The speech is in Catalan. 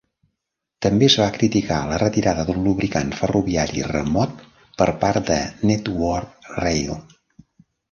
També es va criticar la retirada d'un lubricant ferroviari remot per part de Network Rail.